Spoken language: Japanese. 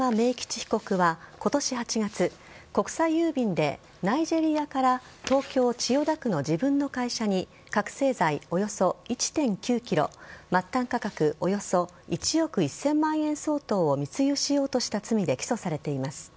被告は今年８月国際郵便でナイジェリアから東京・千代田区の自分の会社に覚醒剤およそ１．９ｋｇ末端価格およそ１億１０００万円相当を密輸しようとした罪で起訴されています。